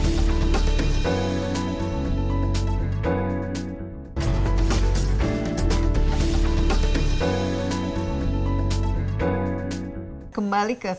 di mana tempat ini terdapat